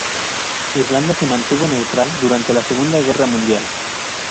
Irlanda se mantuvo neutral durante la Segunda Guerra Mundial.